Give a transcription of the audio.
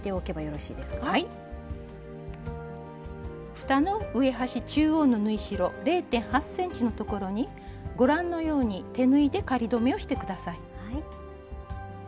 ふたの上端中央の縫い代０．８ｃｍのところにご覧のように手縫いで仮留めをして下さい。